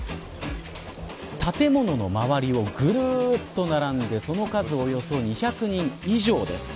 建物の周りをぐるっと並んでその数およそ２００人以上です。